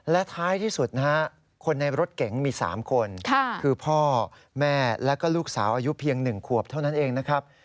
และท้ายที่สุดคนในรถเก่งมีสามคนคือพ่อแม่และลูกสาวอายุเพียงหนึ่งขวบเท่านั้นเองนะครับ